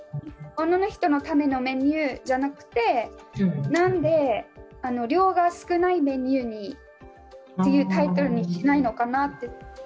女の人のためのメニューじゃなくて何で量が少ないメニューというタイトルにしないのかなって。